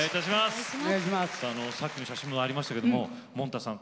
さっきの写真にもありましたけどももんたさん